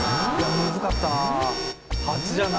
むずかったな。